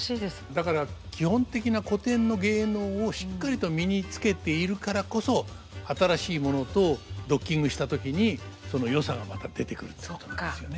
だから基本的な古典の芸能をしっかりと身につけているからこそ新しいものとドッキングした時にそのよさがまた出てくるっていうことなんですよね。